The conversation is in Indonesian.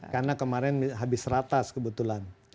karena kemarin habis ratas kebetulan